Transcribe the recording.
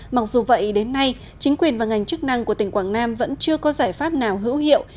mặc dù vậy đến nay chính quyền và ngành chức năng của tỉnh quảng nam vẫn chưa có giải pháp nào hữu hiệu